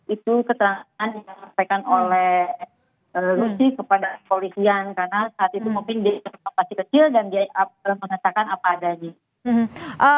itu keterangan yang disampaikan oleh lutfi kepada polisian karena saat itu moping dia masih kecil dan dia telah mengatakan apa adanya